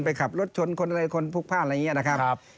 ขับรถชนคนอะไรคนพลุกพลาดอะไรอย่างนี้นะครับ